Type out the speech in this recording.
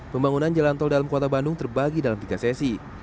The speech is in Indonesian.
pembangunan jalan tol dalam kota bandung terbagi dalam tiga sesi